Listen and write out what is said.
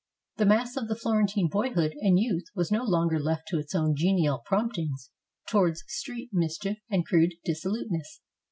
The mass of the Florentine boyhood and youth was no longer left to its own genial promptings towards street mischief and crude dissoluteness.